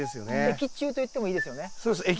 益虫といってもいいですよね。